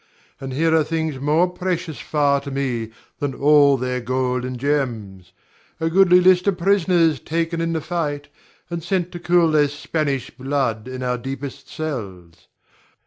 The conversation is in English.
And here are things more precious far to me than all their gold and gems, a goodly list of prisoners taken in the fight, and sent to cool their Spanish blood in our deepest cells.